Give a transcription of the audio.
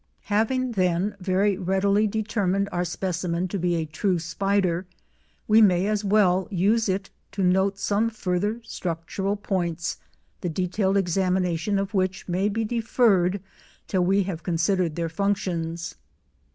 ] Having, then, very readily determined our specimen to be a true spider, we may as well use it to note some further structural points the detailed examination of which may be deferred till we have considered their functions.